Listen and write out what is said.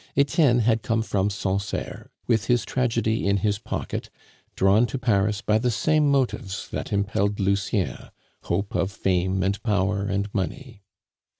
Etienne had come from Sancerre with his tragedy in his pocket, drawn to Paris by the same motives that impelled Lucien hope of fame and power and money.